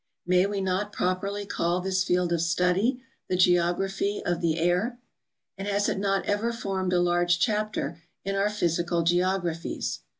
May we not properly call this field of study the geography of the air? And has it not ever formed a large chapter in our physical geogra phies?